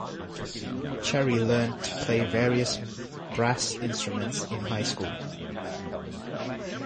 Cherry learned to play various brass instruments in high school.